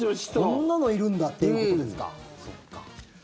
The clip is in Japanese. こんなのいるんだっていうことですか。